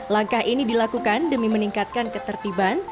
langkah ini dilakukan demi meningkatkan ketertiban